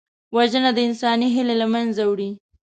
وژنه د انساني هیلې له منځه وړي